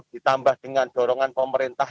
ditambah dengan dorongan pemerintah